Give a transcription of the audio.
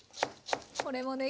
これもね